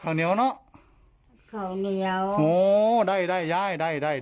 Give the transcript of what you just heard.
เทาเหนียวอยาได้เเยา